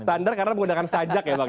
standar karena menggunakan sajak ya pak ya